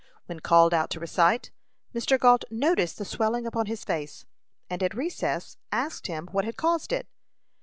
When called out to recite, Mr. Gault noticed the swelling upon his face, and at recess asked him what had caused it.